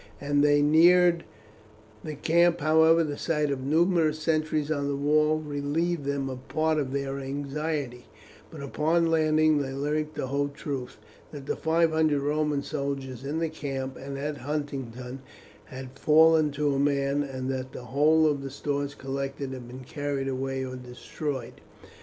As they neared the camp, however, the sight of numerous sentries on the walls relieved them of part of their anxiety; but upon landing they learnt the whole truth, that the five hundred Roman soldiers in the camp and at Huntingdon had fallen to a man, and that the whole of the stores collected had been carried away or destroyed.